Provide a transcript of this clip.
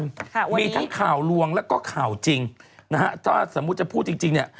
ค่ะมีทั้งข่าวลวงแล้วก็ข่าวจริงนะฮะถ้าสมมุติจะพูดจริงจริงเนี้ย